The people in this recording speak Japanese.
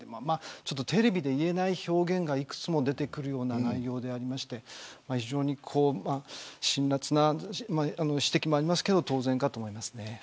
テレビで言えない表現がいくつも出てくるような内容でありまして非常に辛辣な指摘もありますけど当然かと思います。